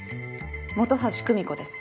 本橋久美子です。